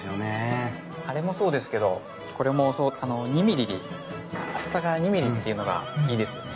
あれもそうですけどこれも厚さが２ミリっていうのがいいですよね。